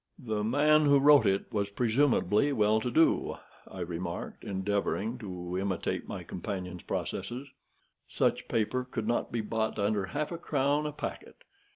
"The man who wrote it was presumably well to do," I remarked, endeavoring to imitate my companion's processes. "Such paper could not be bought under half a crown a packet.